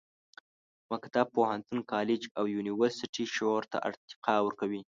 مکتب، پوهنتون، کالج او یونیورسټي شعور ته ارتقا ورکوي.